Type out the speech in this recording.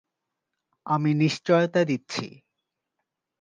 আমি নিশ্চয়তা দিচ্ছি।